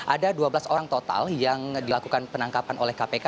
ada dua belas orang total yang dilakukan penangkapan oleh kpk